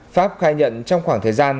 pháp khai nhận trong khoảng thời gian